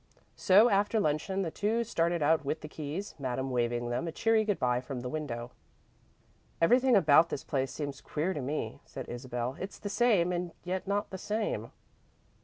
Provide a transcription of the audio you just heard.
So, after luncheon, the two started out with the keys, Madame waving them a cheery good bye from the window. "Everything about this place seems queer to me," said Isabel. "It's the same, and yet not the same."